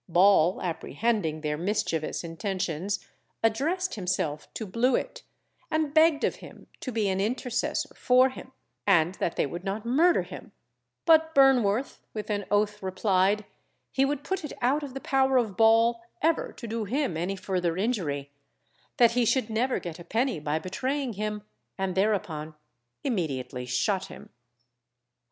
Ball, apprehending their mischievous intentions, addressed himself to Blewit, and begged of him to be an intercessor for him, and that they would not murder him; but Burnworth with an oath replied, he would put it out of the power of Ball ever to do him any further injury, that he should never get a penny by betraying him, and thereupon immediately shot him.